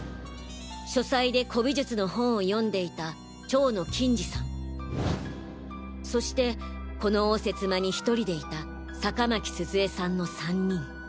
書斎で古美術の本を読んでいた蝶野欽治さんそしてこの応接間に１人でいた坂巻鈴江さんの３人。